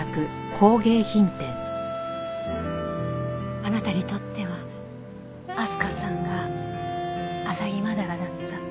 あなたにとってはあすかさんがアサギマダラだった。